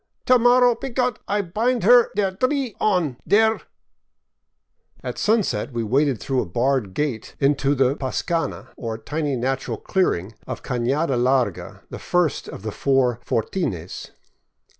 To mor row, py Gott, I bind her der dree on, der ..." At sunset we waded through a barred gate into the pascana, or tiny natural clearing, of Canada Larga, the first of the four fortines.